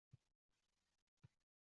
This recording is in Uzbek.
Johilning bilmaydigan narsasi yo‘q.